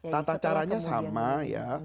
tata caranya sama ya